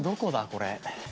これ。